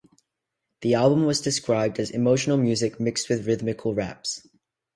The album was described as "emotional music mixed with rhythmical raps".